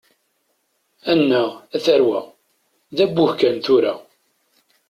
Annaɣ, a tarwa! D abbuh kan, tura!